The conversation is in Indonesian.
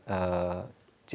eventasi hidup dan utamakasetuhan